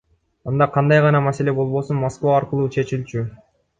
Анда кандай гана маселе болбосун Москва аркылуу чечилчү.